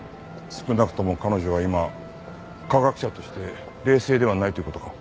少なくとも彼女は今科学者として冷静ではないという事か。